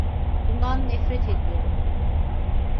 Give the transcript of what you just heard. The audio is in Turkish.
Bundan nefret ediyorum.